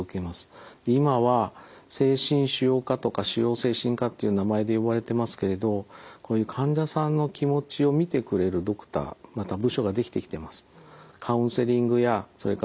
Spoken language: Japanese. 今は精神腫瘍科とか腫瘍精神科っていう名前で呼ばれてますけれどこういう患者さんの気持ちを診てくれるドクターまた部署ができてきてます。